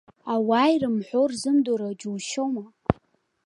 Ауаа ирымҳәо рзымдыруа џьушьома.